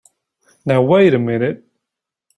Now wait a minute!